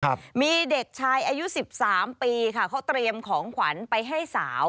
ครับมีเด็กชายอายุสิบสามปีค่ะเขาเตรียมของขวัญไปให้สาว